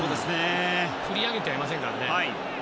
振り上げてはいませんからね。